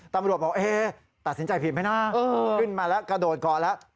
ตำรวจบอกตัดสินใจผิดไหมนะขึ้นมาแล้วกระโดดเกาะแล้ว